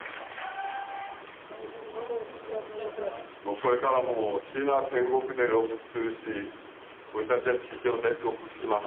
これからもシーナは天国でロックするし俺たちゃ地上でロックします